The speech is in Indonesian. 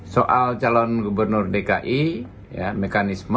soal calon gubernur dki ya mekanisme